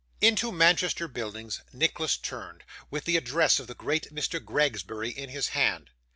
Into Manchester Buildings Nicholas turned, with the address of the great Mr. Gregsbury in his hand.